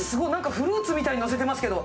フルーツみたいにのせてますけど。